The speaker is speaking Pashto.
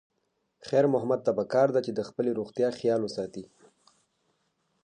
خیر محمد ته پکار ده چې د خپلې روغتیا خیال وساتي.